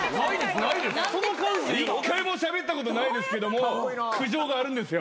１回もしゃべったことないですけども苦情があるんですよ。